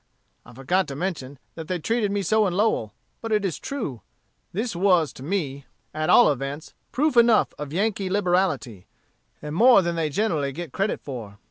I forgot to mention that they treated me so in Lowell but it is true. This was, to me, at all events, proof enough of Yankee liberality; and more than they generally get credit for.